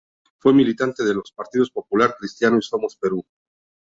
Fue militante de los Partido Popular Cristiano y Somos Perú.